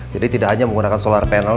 jadi tidak hanya menggunakan solar panel